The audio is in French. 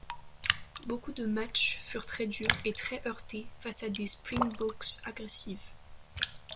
Beaucoup de matches furent très durs et très heurtés face à des Springboks agressifs.